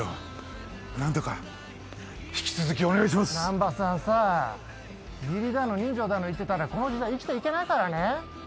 難破さんさ義理だの人情だの言ってたらこの時代生きていけないからね？